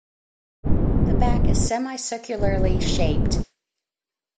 The back is semi-circularly-shaped.